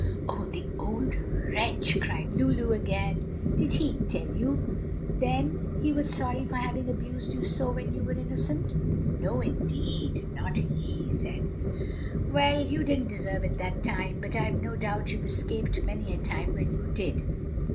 "Oh, the old wretch!" cried Lulu again. "Did he tell you then he was sorry for having abused you so when you were innocent?" "No, indeed! not he! He said, 'Well, you didn't deserve it that time, but I've no doubt you've escaped many a time when you did.'"